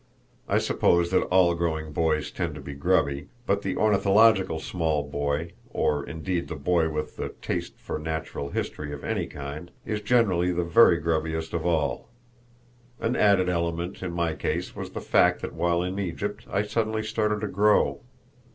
I suppose that all growing boys tend to be grubby; but the ornithological small boy, or indeed the boy with the taste for natural history of any kind, is generally the very grubbiest of all. An added element in my case was the fact that while in Egypt I suddenly started to grow.